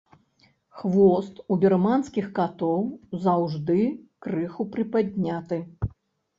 Хвост у бірманскіх катоў заўжды крыху прыпадняты.